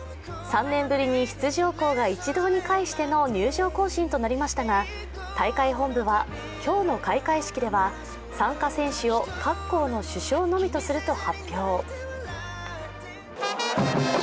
３年ぶりに出場校が一堂に会しての入場行進となりましたが、大会本部は今日の開会式では参加選手を各校の主将のみとすると発表。